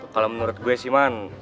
kalau menurut gue sih man